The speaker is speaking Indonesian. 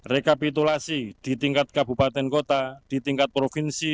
rekapitulasi di tingkat kabupaten kota di tingkat provinsi